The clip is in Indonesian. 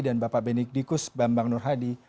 dan bapak benik dikus bambang nur hadi